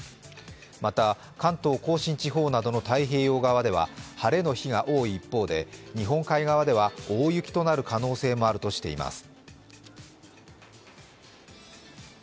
また関東甲信地方などの太平洋側では晴れの日が多い一方で日本海側では大雪となる可能性もあるとしています。